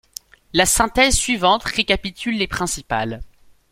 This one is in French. La synthèse suivante récapitule les principales.